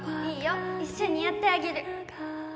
いいよ一緒にやってあげる